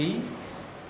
ini adalah empat orang